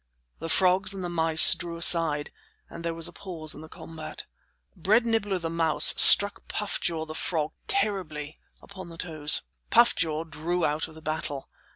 The frogs and the mice drew aside, and there was a pause in the combat. Bread Nibbler the mouse struck Puff jaw the frog terribly upon the toes. Puff jaw drew out of the battle.